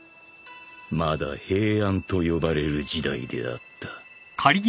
［まだ平安と呼ばれる時代であった］